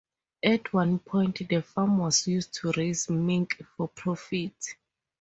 At one point, the farm was used to raise mink for profit.